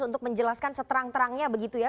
untuk menjelaskan seterang terangnya begitu ya